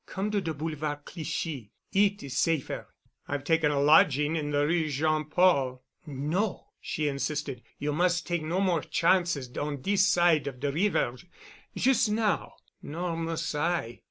Come to de Boulevard Clichy. It is safer." "I've taken a lodging in the Rue Jean Paul." "No," she insisted. "You mus' take no more chances on dis side of de river jus' now—nor mus' I."